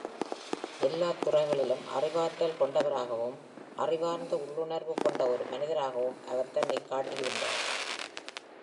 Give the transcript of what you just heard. A lot துறைகளிலும் அறிவாற்றல் கொண்டவராகவும் அறிவார்ந்த உள்ளுணர்வு கொண்ட ஒரு மனிதராகவும் அவர் தன்னைக் காட்டி இருந்தார் .